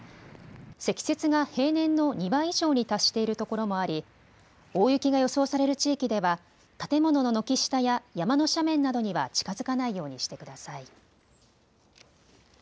積雪が平年の２倍以上に達している所もあり大雪が予想される地域では建物の軒下や山の斜面などには近づかないようにしてください。